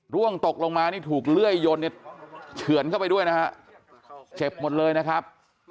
ร่วงตกลงมานี่ถูกเลื่อยยนเนี่ยเฉือนเข้าไปด้วยนะฮะเจ็บหมดเลยนะครับ